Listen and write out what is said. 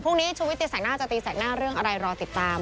ชุวิตตีแสงหน้าจะตีแสกหน้าเรื่องอะไรรอติดตาม